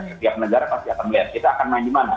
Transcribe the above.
setiap negara pasti akan melihat kita akan main di mana